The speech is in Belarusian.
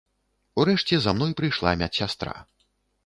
Урэшце, за мной прыйшла медсястра.